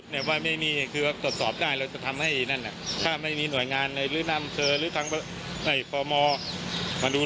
แล้วผู้ใหญ่มาถ่ายรูปมาดูมาให้เป็นกะทิพยาจ